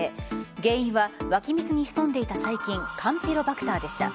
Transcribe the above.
原因は湧き水に潜んでいた細菌カンピロバクターでした。